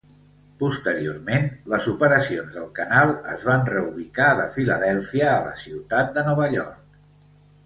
Posteriorment, les operacions del canal es van reubicar de Filadèlfia a la ciutat de Nova York.